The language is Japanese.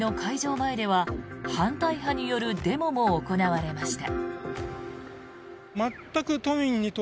前では反対派によるデモも行われました。